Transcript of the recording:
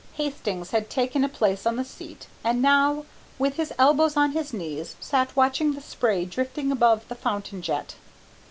Hastings had taken a place on the seat, and now, with his elbows on his knees, sat watching the spray drifting above the fountain jet.